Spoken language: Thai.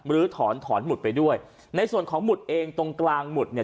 ลื้อถอนถอนหุดไปด้วยในส่วนของหมุดเองตรงกลางหมุดเนี่ย